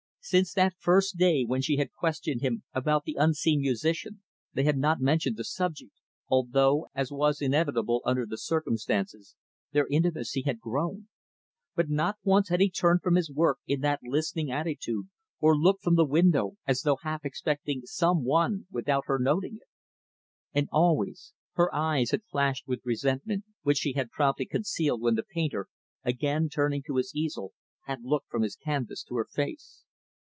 Since that first day, when she had questioned him about the unseen musician, they had not mentioned the subject, although as was inevitable under the circumstances their intimacy had grown. But not once had he turned from his work in that listening attitude, or looked from the window as though half expecting some one, without her noting it. And, always, her eyes had flashed with resentment, which she had promptly concealed when the painter, again turning to his easel, had looked from his canvas to her face.